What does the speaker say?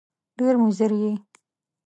ډېر مضر یې !